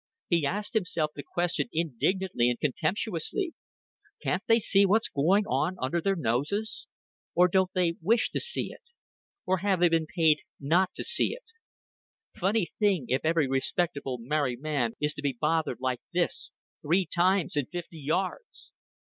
He asked himself the question indignantly and contemptuously. "Can't they see what's going on under their noses? Or don't they wish to see it? Or have they been paid not to see it? Funny thing if every respectable married man is to be bothered like this three times in fifty yards!"